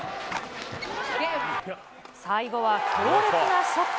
最後は強烈なショット。